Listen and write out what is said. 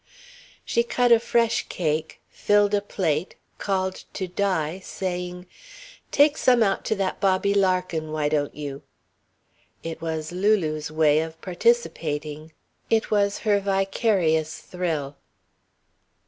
She cut a fresh cake, filled a plate, called to Di, saying: "Take some out to that Bobby Larkin, why don't you?" It was Lulu's way of participating. It was her vicarious thrill.